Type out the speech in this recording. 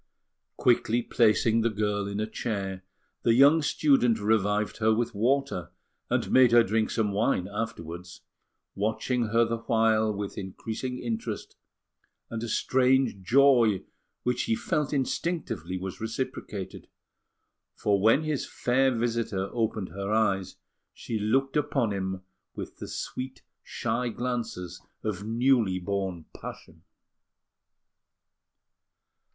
Quickly placing the girl in a chair, the young student revived her with water, and made her drink some wine afterwards, watching her the while with increasing interest and a strange joy, which he felt instinctively was reciprocated; for when his fair visitor opened her eyes, she looked upon him with the sweet shy glances of newly born passion.